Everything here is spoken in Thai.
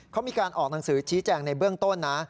เขามีการออกหนังสือชี้แจงในเบื้องต้นนะ